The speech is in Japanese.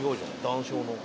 談笑の。